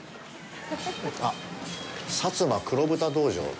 あっ、薩摩黒豚道場。